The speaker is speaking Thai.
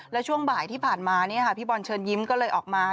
แล้วช่วงบ่ายที่ผ่านมาพี่บอลเชิญยิ้มก็เลยออกมา